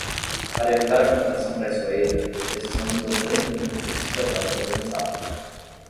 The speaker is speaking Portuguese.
Para evitar a computação traiçoeira, precisamos de um grande número de cidadãos organizados.